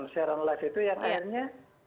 seorang live itu yang akhirnya